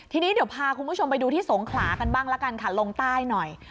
ทีนี้เดี๋ยวพาคุณผู้ชมไปดูที่สงขลากันบ้างละกันค่ะลงใต้หน่อย